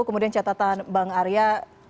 kemudian catatan bang arya